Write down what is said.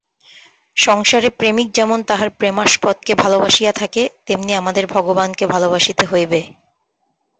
সংসারে প্রেমিক যেমন তাঁহার প্রেমাস্পদকে ভালবাসিয়া থাকে, তেমনি আমাদের ভগবানকে ভালবাসিতে হইবে।